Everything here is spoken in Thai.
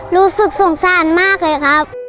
รู้สึกสงสารมากเลยครับ